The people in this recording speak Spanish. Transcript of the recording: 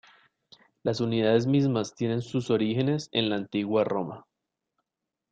Las unidades mismas tienen sus orígenes en la antigua Roma.